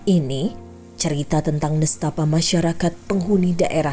ini cerita tentang nestapa masyarakat penghuni daerah